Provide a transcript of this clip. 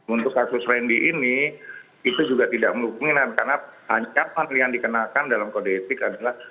untuk kasus randy ini itu juga tidak memungkinkan karena ancaman yang dikenakan dalam kode etik adalah